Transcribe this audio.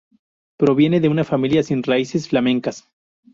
Proviene de una familia sin raíces flamencas.